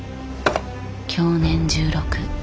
享年１６。